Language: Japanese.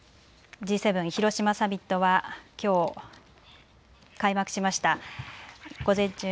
Ｇ７広島サミットはきょう開幕しました。